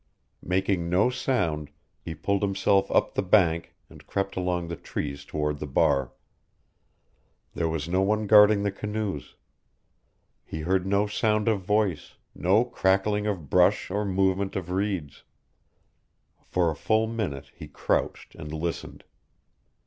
Making no sound, he pulled himself up the bank and crept among the trees toward the bar. There was no one guarding the canoes. He heard no sound of voice, no crackling of brush or movement of reeds. For a full minute he crouched and listened.